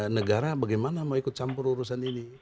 negara bagaimana mau ikut campur urusan ini